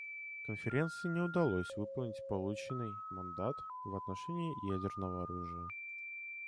Конференции не удалось выполнить полученный мандат в отношении ядерного разоружения.